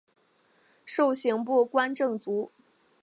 授刑部观政卒。